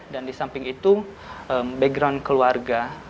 dan di samping itu background keluarga